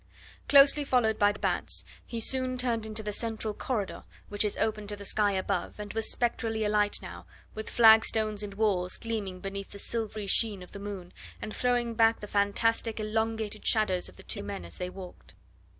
Closely followed by de Batz, he soon turned into the central corridor, which is open to the sky above, and was spectrally alight now with flag stones and walls gleaming beneath the silvery sheen of the moon, and throwing back the fantastic elongated shadows of the two men as they walked.